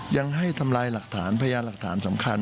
ยังให้ทำลายหลักฐานพยานหลักฐานสำคัญ